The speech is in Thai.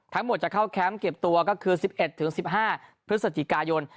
ทั้งหมดจะเข้าแคมป์เก็บตัวก็คือ๑๑๑๕พฤศจิกายน